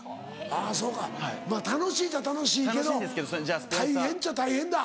あぁそうかまぁ楽しいっちゃ楽しいけど大変っちゃ大変だ。